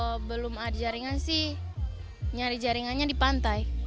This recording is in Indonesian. kalau belum ada jaringan sih nyari jaringannya di pantai